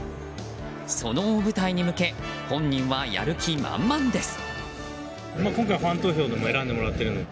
その大舞台に向け本人はやる気満々です。